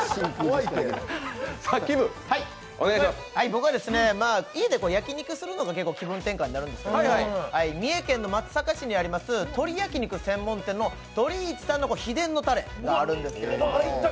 僕は家で焼き肉するのが結構気分転換になるんですけど三重県の松阪市にある鳥焼肉専門店の、とりいちさんの秘伝のたれがあります。